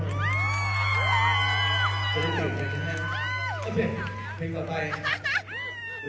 ไม่อยู่ช่วงที่หัวใจมีอะไรอยู่